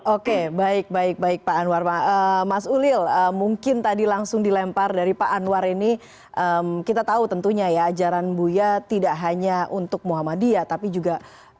oke baik baik baik pak anwar mas ulil mungkin tadi langsung dilempar dari pak anwar ini kita tahu tentunya ya ajaran buya tidak hanya untuk muhammadiyah tapi juga